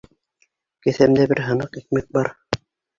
Кеҫәмдә бер һыныҡ икмәк бар.